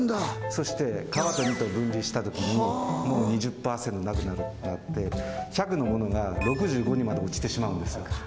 そして皮と実と分離したときにもう２０％なくなって１００のものが６５にまで落ちてしまうんですよ